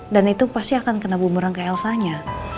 dan itu pasti akan kena bumerang ke elsanya